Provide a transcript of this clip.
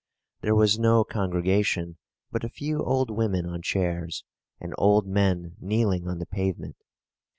There was no congregation but a few old women on chairs and old men kneeling on the pavement.